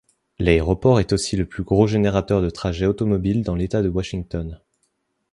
L'aéroport est aussi le plus gros générateur de trajets automobiles dans l'État de Washington.